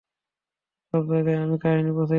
সবজায়গায় আমার কাহিনি পৌঁছে গেছে।